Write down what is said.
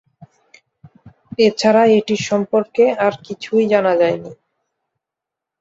এছাড়া এটির সম্পর্কে আর কিছুই জানা যায়নি।